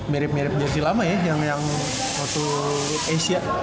mirip mirip jersi lama ya yang satu asia